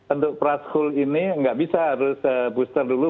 untuk praskul ini nggak bisa harus booster dulu